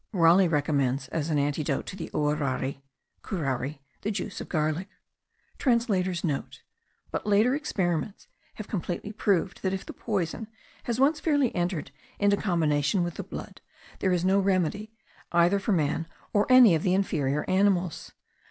Raleigh recommends as an antidote to the ourari (curare) the juice of garlick. [But later experiments have completely proved that if the poison has once fairly entered into combination with the blood there is no remedy, either for man or any of the inferior animals.